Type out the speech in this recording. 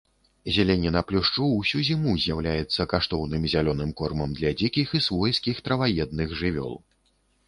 Зеляніна плюшчу ўсю зіму з'яўляецца каштоўным зялёным кормам для дзікіх і свойскіх траваедных жывёл.